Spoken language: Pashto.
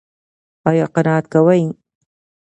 ایا قناعت کوئ؟